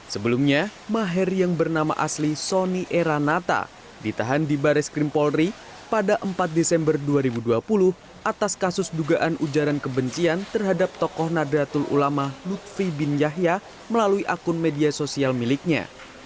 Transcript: sebelumnya maher yang bernama asli sony eranata ditahan di baris krim polri pada empat desember dua ribu dua puluh atas kasus dugaan ujaran kebencian terhadap tokoh nadlatul ulama lutfi bin yahya melalui akun media sosial miliknya